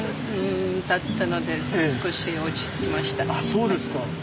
そうですか。